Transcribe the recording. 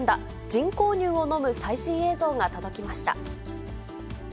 人工乳を飲む最新映像が届きました。